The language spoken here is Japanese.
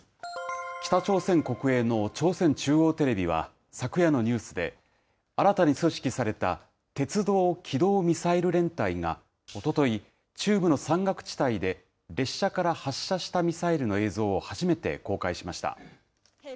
北朝鮮国営の朝鮮中央テレビは、昨夜のニュースで、新たに組織された鉄道機動ミサイル連隊がおととい、中部の山岳地帯で列車から発射したミサイルの映像を初めて公開しました。